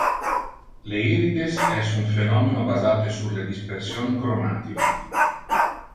Le irides es un phenomeno basate sur le dispersion chromatic.